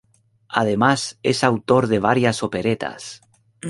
Además es autor de varias operetas.